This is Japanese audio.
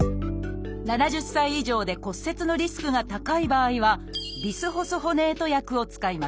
７０歳以上で骨折のリスクが高い場合は「ビスホスホネート薬」を使います。